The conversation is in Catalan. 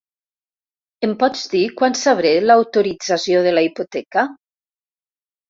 Em pots dir quan sabré l'autorització de la hipoteca?